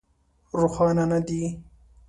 روښانه نه دي.